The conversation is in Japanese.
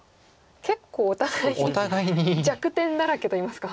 結構お互い弱点だらけといいますか。